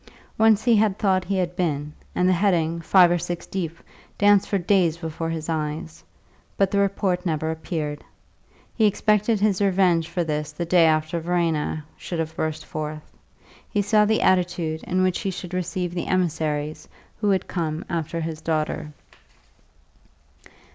Once he thought he had been, and the headings, five or six deep, danced for days before his eyes; but the report never appeared. He expected his revenge for this the day after Verena should have burst forth; he saw the attitude in which he should receive the emissaries who would come after his daughter.